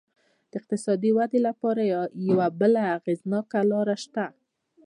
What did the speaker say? د اقتصادي ودې لپاره یوه بله اغېزناکه لار شته.